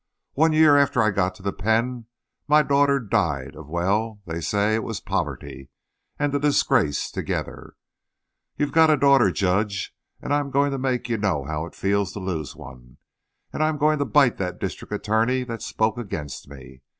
One year after I got to the pen, my daughter died of—well, they said it was poverty and the disgrace together. You've got a daughter, Judge, and I'm going to make you know how it feels to lose one. And I'm going to bite that district attorney that spoke against me.